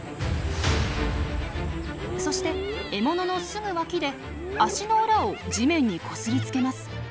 そして獲物のすぐ脇で足の裏を地面にこすりつけます。